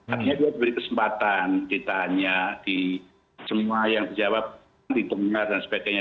artinya dia diberi kesempatan ditanya di semua yang berjawab di dengar dan sebagainya